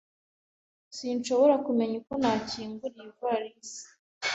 Sinshobora kumenya uko nakingura iyivalisi.